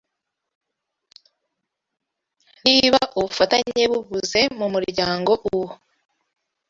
Niba ubufatanye bubuze mumuryango uwo